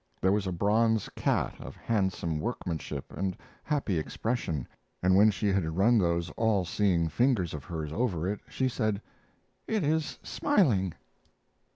There was a bronze cat of handsome workmanship and happy expression, and when she had run those all seeing fingers of hers over it she said: "It is smiling."